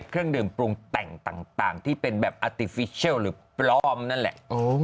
เครื่องดื่มปรุงแต่งต่างที่เป็นแบบอาติฟิเชียลหรือปลอมนั่นแหละ